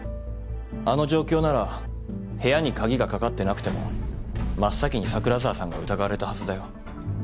あの状況なら部屋に鍵がかかってなくても真っ先に桜沢さんが疑われたはずだよ。